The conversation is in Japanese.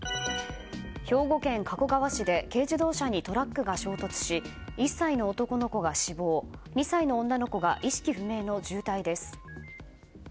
兵庫県加古川市で軽自動車にトラックが衝突し１歳の男の子が死亡２歳の女の子が意識不明の重体です。